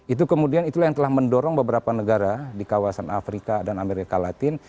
itu kemudian itulah yang telah mendorong beberapa negara di kawasan afrika dan amerika latin